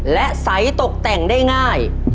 และใสตกแต่งได้ง่าย